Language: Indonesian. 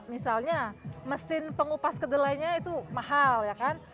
misalnya mesin pengupas kedelainya itu mahal ya kan